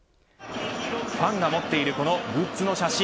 ファンが持っているこのグッズの写真。